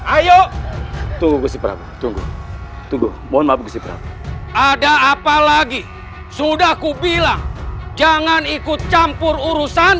ayo tunggu sipra tunggu tunggu mohon maaf gusibra ada apa lagi sudah kubilang jangan ikut campur urusan